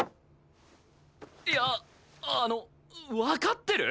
いやあのわかってる？